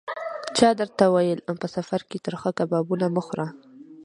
چا درته ویل: په سفر کې ترخه کبابونه مه خوره.